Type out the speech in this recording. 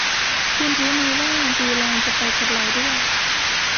คุณรู้มั้ยว่าดีแลนจะไปกับเราด้วย